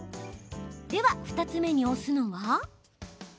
では２つ目に押すのは？